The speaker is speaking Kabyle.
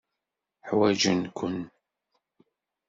Ḥwajen-ken.